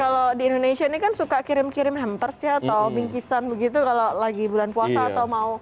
kalau di indonesia ini kan suka kirim kirim hampers ya atau bingkisan begitu kalau lagi bulan puasa atau mau